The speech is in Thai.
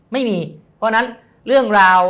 ไม่มีเพราะฉะนั้นเรื่องราว